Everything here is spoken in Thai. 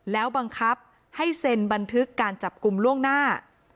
แล้วบังคับให้เซ็นบันทึกการจับกลุ่มล่วงหน้า